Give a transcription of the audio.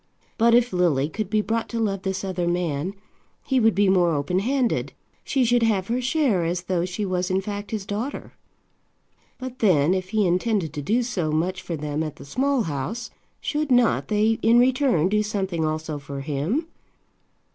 But if Lily could be brought to love this other man, he would be more open handed. She should have her share as though she was in fact his daughter. But then, if he intended to do so much for them at the Small House, should not they in return do something also for him?